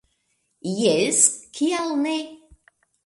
Jes, kial ne?